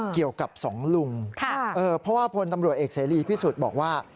สองลุงเพราะว่าพลตำรวจเอกเสรีพิสุทธิ์บอกว่า